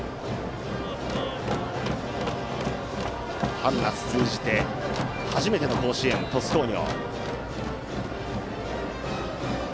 春夏通じて初めての甲子園鳥栖工業。